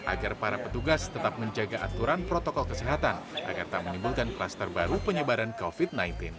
agar para petugas tetap menjaga aturan protokol kesehatan agar tak menimbulkan kluster baru penyebaran covid sembilan belas